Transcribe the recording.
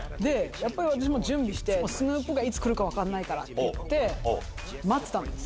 で私も準備してスヌープがいつ来るか分かんないから待ってたんです。